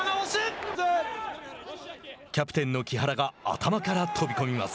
キャプテンの木原が頭から飛び込みます。